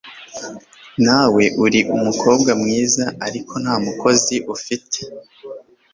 Nawe uri umukobwa mwiza ariko nta mukunzi ufite